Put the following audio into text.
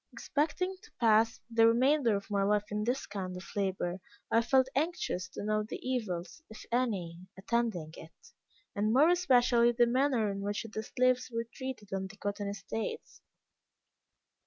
Expecting to pass the remainder of my life in this kind of labor, I felt anxious to know the evils, if any, attending it, and more especially the manner in which the slaves were treated on the cotton estates.